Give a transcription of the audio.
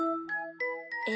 え？